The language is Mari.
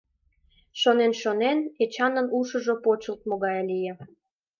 Шонен-шонен, Эчанын ушыжо почылтмо гай лие.